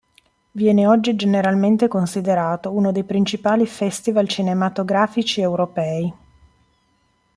Viene oggi generalmente considerato uno dei principali festival cinematografici europei.